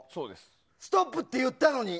ストップって言ったのに？